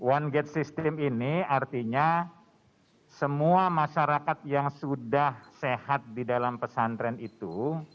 one gate system ini artinya semua masyarakat yang sudah sehat di dalam pesantren itu